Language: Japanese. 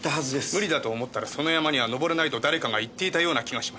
無理だと思ったらその山には登れないと誰かが言っていたような気がします。